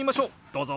どうぞ。